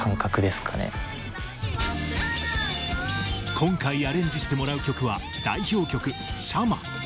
今回アレンジしてもらう曲は代表曲「紗痲」。